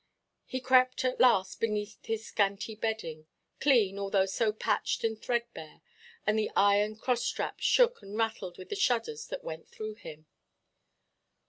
He crept, at last, beneath his scanty bedding—clean, although so patched and threadbare—and the iron cross–straps shook and rattled with the shudders that went through him.